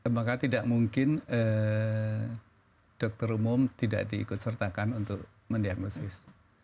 maka tidak mungkin dokter umum tidak diikut sertakan untuk mendiagnosis